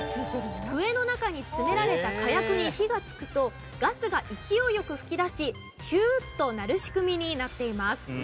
笛の中に詰められた火薬に火がつくとガスが勢いよく噴き出し「ヒュ」と鳴る仕組みになっています。